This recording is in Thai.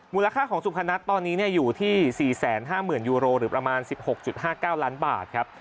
ค่าของสุพนัทตอนนี้อยู่ที่๔๕๐๐๐ยูโรหรือประมาณ๑๖๕๙ล้านบาทครับ